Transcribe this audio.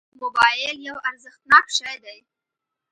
موبایل یو ارزښتناک شی دی.